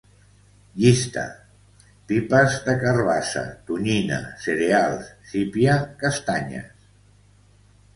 Llista: pipes de carabassa, tonyina, cereals, sípia, castanyes